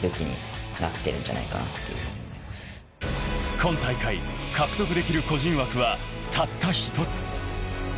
今大会、獲得できる個人枠はたった一つ。